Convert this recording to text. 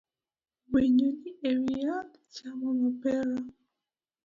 Winyo ni ewi yath chamo mapera